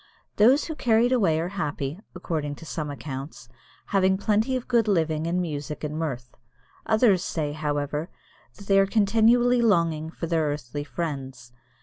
Those who are carried away are happy, according to some accounts, having plenty of good living and music and mirth. Others say, however, that they are continually longing for their earthly friends.